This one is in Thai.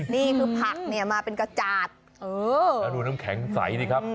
นี่คือผักมาเป็นกระจาดเออน้ำแข็งใสสิครับ